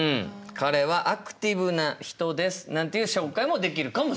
「彼はアクティブな人です」なんていう紹介もできるかもしれません。